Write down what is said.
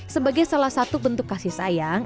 sebagai salah satu bentuk kasih sayang